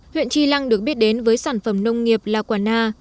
huyện tri lăng được biết đến với sản phẩm nông nghiệp là quả na